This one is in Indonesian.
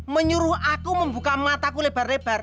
menyuruh aku membuka mataku lebar lebar